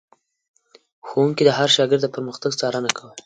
ښوونکي د هر شاګرد پرمختګ څارنه کوله.